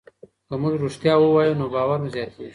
که موږ ریښتیا ووایو نو باور مو زیاتېږي.